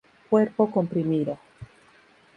Cuerpo comprimido.